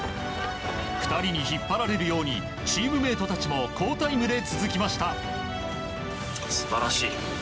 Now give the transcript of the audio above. ２人に引っ張られるようにチームメートたちも好タイムで続きました。